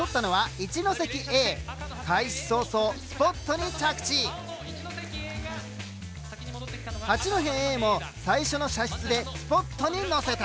八戸Ａも最初の射出でスポットに乗せた。